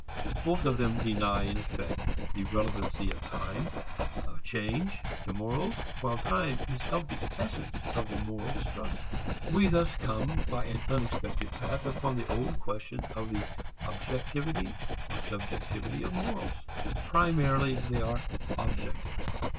Both of them deny in effect the relevancy of time, of change, to morals, while time is of the essence of the moral struggle. We thus come, by an unexpected path, upon the old question of the objectivity or subjectivity of morals. Primarily they are objective.